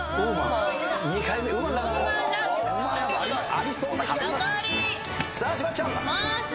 ありそうな感じします。